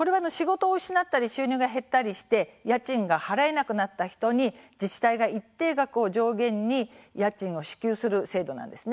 これは収入が減ったりして家賃が払えなくなった人に自治体が一定額を上限に家賃を支給する制度です。